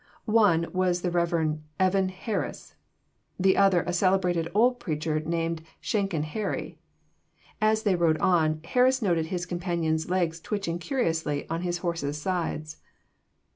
One was the Rev. Evan Harris, the other a celebrated old preacher named Shenkin Harry. And, as they rode on, Harris noticed his companion's legs twitching curiously on his horse's sides.